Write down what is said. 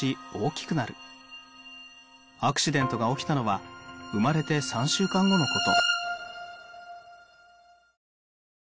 アクシデントが起きたのは生まれて３週間後のこと。